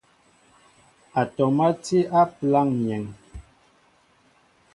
Atɔm á ti á pəláŋ myēn.